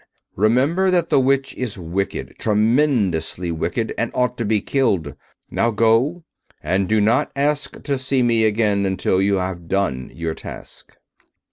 Remember that the Witch is Wicked—tremendously Wicked—and ought to be killed. Now go, and do not ask to see me again until you have done your task."